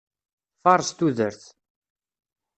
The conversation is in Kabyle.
Fares tudert!